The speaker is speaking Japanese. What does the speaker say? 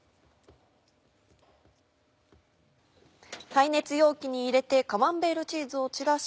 耐熱容器に入れてカマンベールチーズを散らし